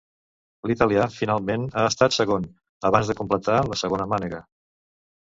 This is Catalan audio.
L'italià finalment ha estat segon abans de completar la segona mànega.